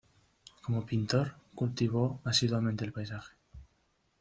Como pintor, cultivó asiduamente el paisaje.